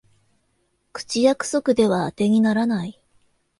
口約束ではあてにならない